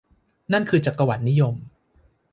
นั่นคือ จักรวรรดินิยม